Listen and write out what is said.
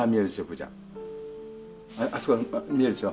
プーちゃん。あそこ見えるでしょ。